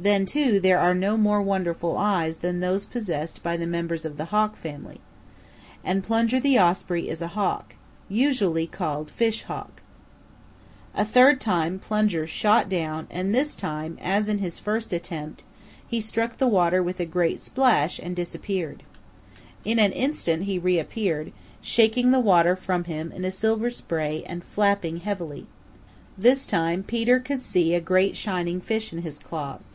Then, too, there are no more wonderful eyes than those possessed by the members of the Hawk family. And Plunger the Osprey is a Hawk, usually called Fish Hawk. A third time Plunger shot down and this time, as in his first attempt, he struck the water with a great splash and disappeared. In an instant he reappeared, shaking the water from him in a silver spray and flapping heavily. This time Fetes could gee a great shining fish in his claws.